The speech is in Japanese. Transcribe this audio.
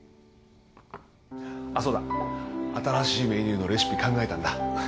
あっそうだ新しいメニューのレシピ考えたんだ。